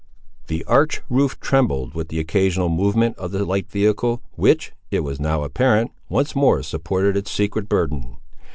The arched roof trembled with the occasional movement of the light vehicle which, it was now apparent, once more supported its secret burden.